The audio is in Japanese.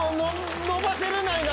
伸ばせれないな。